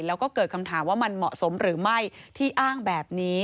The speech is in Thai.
แล้วก็เกิดคำถามว่ามันเหมาะสมหรือไม่ที่อ้างแบบนี้